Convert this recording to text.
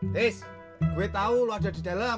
tis gue tahu lo ada di dalam